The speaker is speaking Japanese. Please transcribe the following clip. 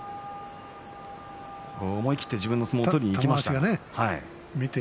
思い切った相撲を取りにいきました。